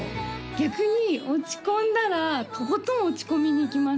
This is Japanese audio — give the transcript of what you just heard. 逆に落ち込んだらとことん落ち込みにいきます